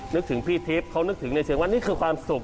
นึกถึงพี่ทิพย์เขานึกถึงในเชิงว่านี่คือความสุข